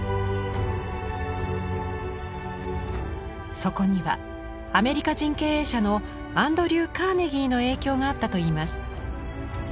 そこにはアメリカ人経営者のアンドリュー・カーネギーの影響があったといいます。